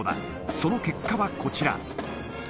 その結果はこちら。